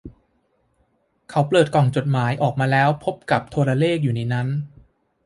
เขาเปิดกล่องจดหมายออกมาแล้วพบกับโทรเลขอยู่ในนั้น